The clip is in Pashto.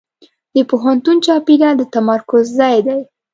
د پوهنتون چاپېریال د تمرکز ځای دی.